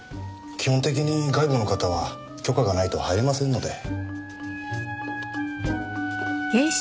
基本的に外部の方は許可がないと入れませんので。